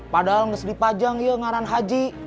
padahal mesti dipajang ya ngaran haji